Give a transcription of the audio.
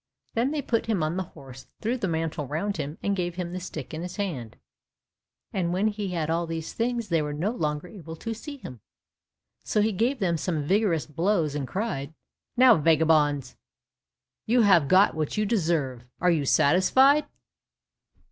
Then they put him on the horse, threw the mantle round him, and gave him the stick in his hand, and when he had all these things they were no longer able to see him. So he gave them some vigorous blows and cried, "Now, vagabonds, you have got what you deserve, are you satisfied?"